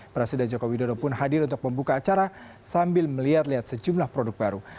presiden joko widodo pun hadir untuk membuka acara sambil melihat lihat sejumlah produk baru